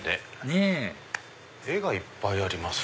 ねぇ絵がいっぱいあります。